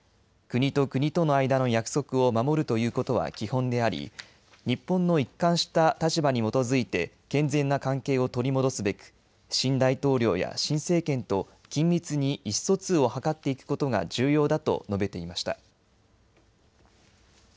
国と国との間の約束を守るということは基本であり日本の一貫した立場に基づいて健全な関係を取り戻すべく新大統領や新政権と緊密に意思疎通を図っていくことが重要だと述べていました。